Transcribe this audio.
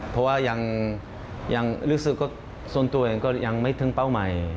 เพราะว่ายังรู้สึกว่าส่วนตัวเองก็ยังไม่ถึงเป้าหมาย